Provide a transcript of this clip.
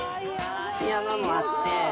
山もあって。